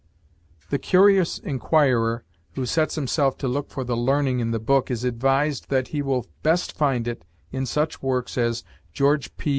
The curious inquirer who sets himself to look for the learning in the book is advised that he will best find it in such works as George P.